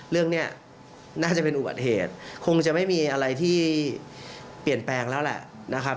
เรื่องนี้น่าจะเป็นอุบัติเหตุคงจะไม่มีอะไรที่เปลี่ยนแปลงแล้วแหละนะครับ